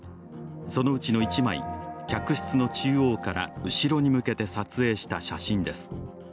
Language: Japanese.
そのうちの１枚、客室の中央から後ろに向けて撮影した写真です。